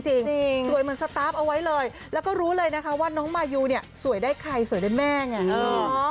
สวยเหมือนสตาร์ฟเอาไว้เลยแล้วก็รู้เลยนะคะว่าน้องมายูเนี่ยสวยได้ใครสวยได้แม่ไง